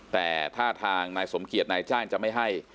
แต่ท่าทางนายสมเกียจนายจ้างจะไม่ให้